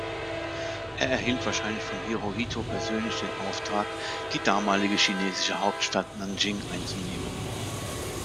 Er erhielt wahrscheinlich von Hirohito persönlich den Auftrag, die damalige chinesische Hauptstadt Nanjing einzunehmen.